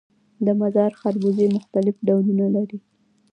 د مزار خربوزې مختلف ډولونه لري